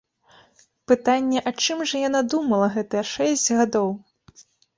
Пытанне, а чым жа яна думала гэтыя шэсць гадоў.